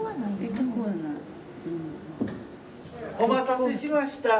お待たせしました。